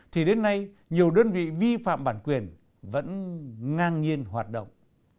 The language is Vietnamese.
thì đến nay nhiều đơn vị vi phạm bản quyền vẫn ngang nhiên hoạt động